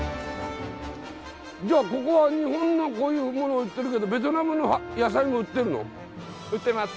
じゃあここは日本のこういうものを売ってるけどベトナムの野菜も売ってるの？